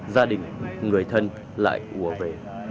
gia đình người thân lại ủa về